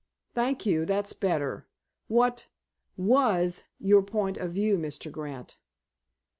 "Thank you. That's better. What was your point of view, Mr. Grant?"